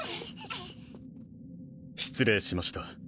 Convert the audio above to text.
失礼しました。